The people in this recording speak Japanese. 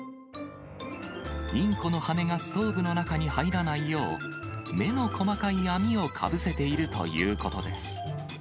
インコの羽がストーブの中に入らないよう、目の細かい網をかぶせているということです。